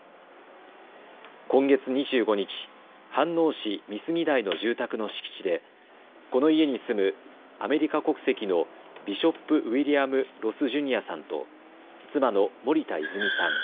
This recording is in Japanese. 今月２５日飯能市美杉台の住宅の敷地でこの家に住むアメリカ国籍のビショップ・ウィリアム・ロス・ジュニアさんと妻の森田泉さん